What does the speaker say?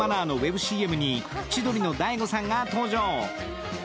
ＣＭに千鳥の大悟さんが登場。